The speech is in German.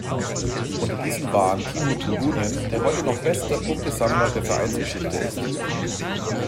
Unter diesen waren Timo Turunen, der heute noch bester Punktesammler der Vereinsgeschichte ist.